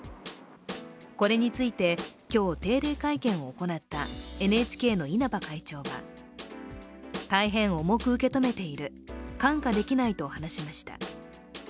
これについて、今日定例会見を行ったＮＨＫの稲葉会長は大変重く受け止めている、看過できないと話しました。